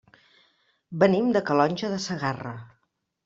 Venim de Calonge de Segarra.